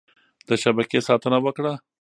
د شبکې ساتنه وکړه.